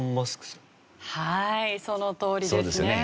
はいそのとおりですね。